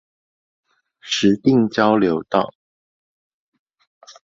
石碇交流道